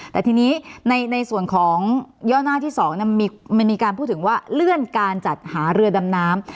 แต่ทีนี้ในส่วนของย่อหน้าที่๒มันมีการพูดถึงว่าเลื่อนการจัดหาเรือดำน้ำ